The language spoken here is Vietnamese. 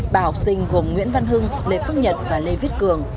bà học sinh gồm nguyễn văn hưng lê phúc nhật và lê viết cường